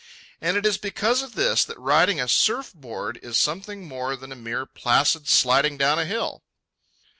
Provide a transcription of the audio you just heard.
And it is because of this that riding a surf board is something more than a mere placid sliding down a hill.